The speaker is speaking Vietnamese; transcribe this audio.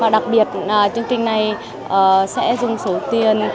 đặc biệt chương trình này sẽ dùng số tiền